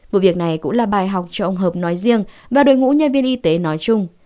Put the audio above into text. vụ việc này cũng là bài học cho ông hợp nói riêng và đội ngũ nhân viên y tế nói chung